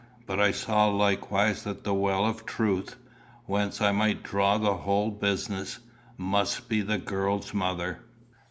But I saw likewise that the well of truth, whence I might draw the whole business, must be the girl's mother.